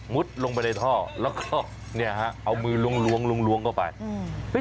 มุดลงไปในท่อแล้วก็เอามือลวงก่อนไป